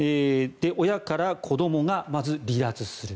親から子供がまず、離脱する。